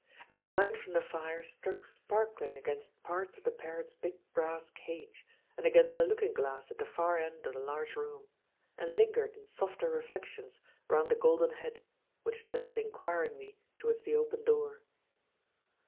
And the light from the fire struck sparkling against parts of the parrot's big brass cage, and against a looking glass at the far end of the large room, and lingered in softer reflections round the golden head, which turned inquiringly towards the open door.